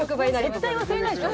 絶対忘れないでしょ